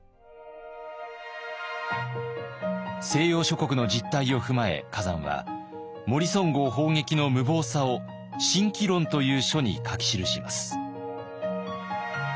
西洋諸国の実態を踏まえ崋山はモリソン号砲撃の無謀さを「慎機論」という書に書き記します。